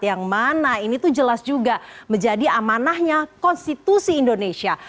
yang mana ini tuh jelas juga menjadi amanahnya konstitusi indonesia